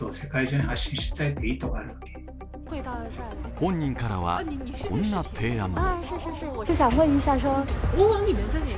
本人からは、こんな提案も。